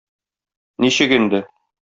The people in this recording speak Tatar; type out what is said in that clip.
Ничек инде?!